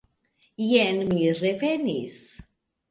Jen mi revenis!